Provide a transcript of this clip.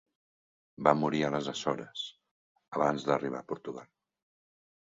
Va morir a les Açores, abans d'arribar a Portugal.